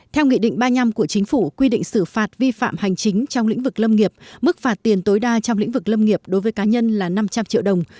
theo nghị định ba mươi năm của chính phủ quy định xử phạt vi phạm hành chính trong lĩnh vực lâm nghiệp mức phạt tiền tối đa trong lĩnh vực lâm nghiệp đối với cá nhân là năm trăm linh triệu đồng